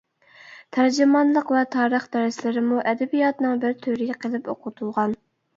تەرجىمانلىق ۋە تارىخ دەرسلىرىمۇ ئەدەبىياتنىڭ بىر تۈرى قىلىپ ئوقۇتۇلغان.